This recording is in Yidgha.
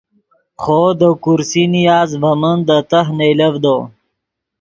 خوو دے کرسی نیاست ڤے من دے تہہ نئیلڤدو